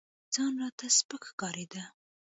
ځان راته سپك ښكارېده.